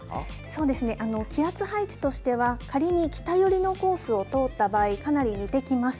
そうですね、気圧配置としてはかなり北寄りのコースを通った場合かなり似てきます。